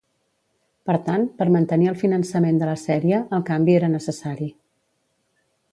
Per tant, per mantenir el finançament de la sèrie, el canvi era necessari.